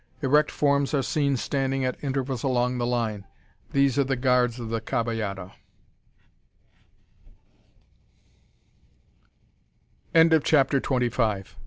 Erect forms are seen standing at intervals along the line. These are the guards of the caballada. CHAPTER TWENTY SIX.